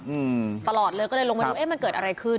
อืมตลอดเลยก็เลยลงมาดูเอ๊ะมันเกิดอะไรขึ้น